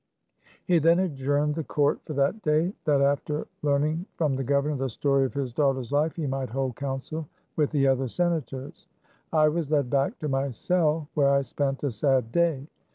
He then adjourned the court for that day, that after learning from the governor the story of his THE CAB AVAN. 147 daughter's life, he might hold council with the other senators. I was led back to my cell where I spent a sad day.